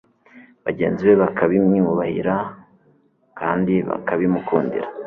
bagenzi be bakabimwubahira kandi bakabimukundira